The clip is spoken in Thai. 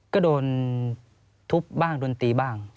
ก็โดนทุบบ้างโดนตีบ้าง